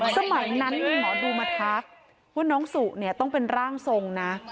สมัยนั้นหมอดูมาทักว่าน้องสุเนี่ยต้องเป็นร่างทรงนะ